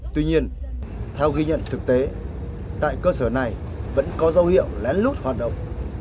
tuy nhiên theo ghi nhận thực tế tại cơ sở này vẫn có dấu hiệu lén lút hoạt động